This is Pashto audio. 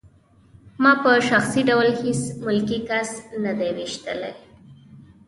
ما په شخصي ډول هېڅ ملکي کس نه دی ویشتی